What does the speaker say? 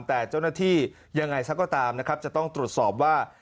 แต่เจ้าหน้าที่ยังไงซะก็ตามนะครับจะต้องตรวจสอบว่า